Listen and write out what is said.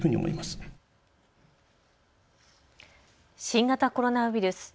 新型コロナウイルス。